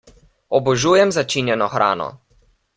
Obožujem začinjeno hrano!